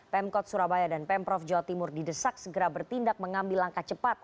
pemkot surabaya dan pemprov jawa timur didesak segera bertindak mengambil langkah cepat